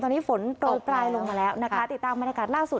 ตอนนี้ฝนโปรปลายลงมาแล้วนะคะติดตามบรรยากาศล่าสุด